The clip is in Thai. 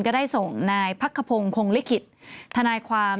ก็ได้ส่งนายพักขพงศ์คงลิขิตทนายความ